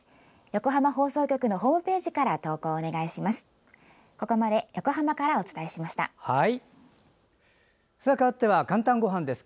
横浜放送局のホームページから投稿お願いします。